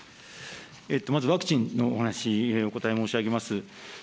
まずワクチンのお話、お答え申し上げます。